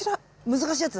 難しいやつ？